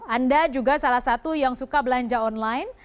anda juga salah satu yang suka belanja online